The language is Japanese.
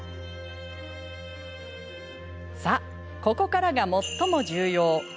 ここからが最も重要。